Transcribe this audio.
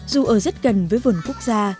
dù ở rất gần với vườn quốc gia